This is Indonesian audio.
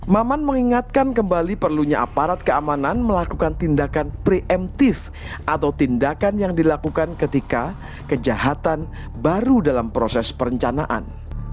maman mengingatkan kembali perlunya aparat keamanan melakukan tindakan preemptif atau tindakan yang dilakukan ketika kejahatan baru dalam proses perencanaan